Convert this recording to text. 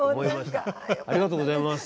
ありがとうございます。